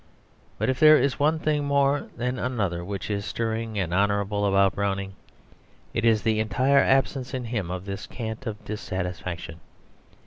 But if there is one thing more than another which is stirring and honourable about Browning, it is the entire absence in him of this cant of dissatisfaction.